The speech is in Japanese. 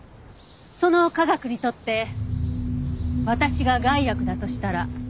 その科学にとって私が害悪だとしたら？